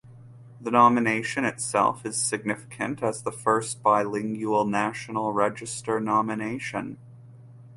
The nomination itself is significant as the first bilingual National Register nomination.